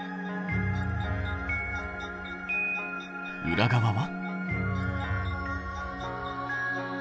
裏側は？